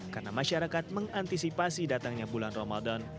karena masyarakat mengantisipasi datangnya bulan ramadan